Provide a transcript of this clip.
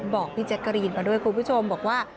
บอกพี่แจ๊กกะรีนมาด้วยคุณผู้ชมบอกว่า